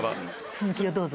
続きをどうぞ。